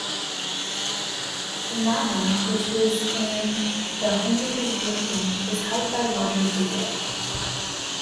The manor, which was in the Hundred of Blythling, was held by Roger Bigot.